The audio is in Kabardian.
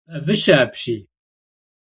Бэвыщэ апщий!